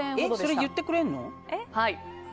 それ言ってくれるの？